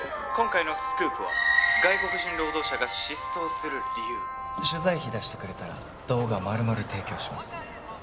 今回のスクープは外国人労働者が失踪する理由取材費出してくれたら動画まるまる提供します